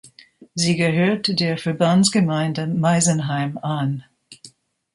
Sie gehört der Verbandsgemeinde Meisenheim an.